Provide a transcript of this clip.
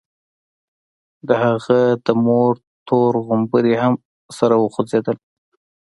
د هغه د مور تور غومبري هم سره وخوځېدل.